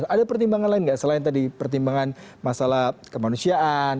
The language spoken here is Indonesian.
ada pertimbangan lain nggak selain tadi pertimbangan masalah kemanusiaan